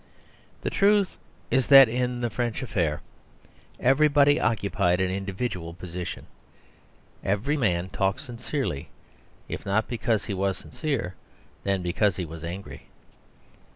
The truth is that in the French affair everybody occupied an individual position. Every man talked sincerely, if not because he was sincere, then because he was angry.